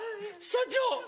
社長。